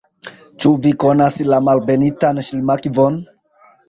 Ĉu vi konas la Malbenitan Ŝlimakvon?